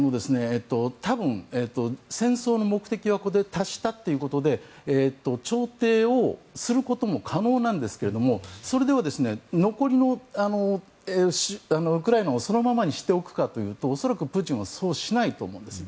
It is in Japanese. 多分、戦争の目的はここで達したということで調停をすることも可能なんですがそれでは残りのウクライナをそのままにしておくかというと恐らくプーチンはそうしないと思うんです。